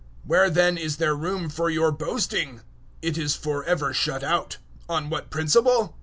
003:027 Where then is there room for your boasting? It is for ever shut out. On what principle?